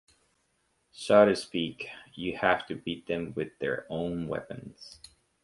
So to speak, you have to beat them with their own weapons.